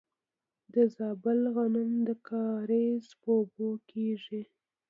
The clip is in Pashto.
د زابل غنم د کاریز په اوبو کیږي.